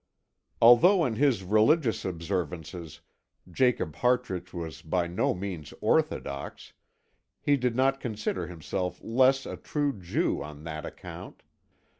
Although in his religious observances Jacob Hartrich was by no means orthodox, he did not consider himself less a true Jew on that account.